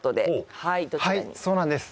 はいそうなんです